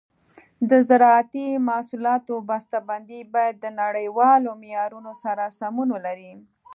د زراعتي محصولاتو بسته بندي باید د نړیوالو معیارونو سره سمون ولري.